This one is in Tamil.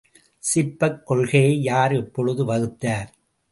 சிப்பக் கொள்கையை யார் எப்பொழுது வகுத்தார்?